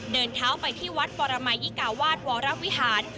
เดินเท้าไปที่วัดปรมัยยิกาวาสวรวิหาร